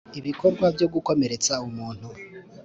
ibikorwa byo gukomeretsa umuntu